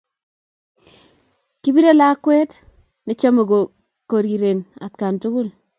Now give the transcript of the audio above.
Ki pirey lakwet ne chomei koriren atakan tukul.